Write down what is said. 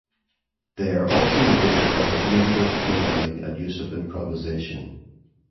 They are also notable for their innovative programming and use of improvisation.